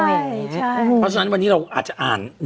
เพราะฉะนั้นวันนี้เราอาจจะอ่าน